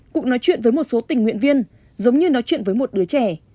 cũng nói chuyện với một số tình nguyện viên giống như nói chuyện với một đứa trẻ